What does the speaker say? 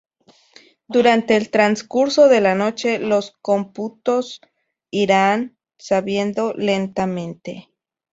Durante el transcurso de la noche, los cómputos irían subiendo lentamente.